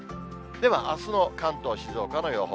ではあすの関東、静岡の予報。